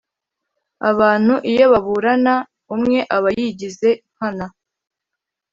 Abantu iyo baburana umwe aba yigiza nkana